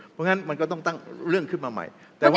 เพราะฉะนั้นมันก็ต้องตั้งเรื่องขึ้นมาใหม่